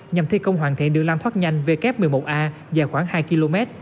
nhằm thi công hoàn thiện đường lam thoát nhanh w một mươi một a dài khoảng hai km